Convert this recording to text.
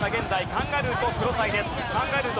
カンガルーとクロサイです。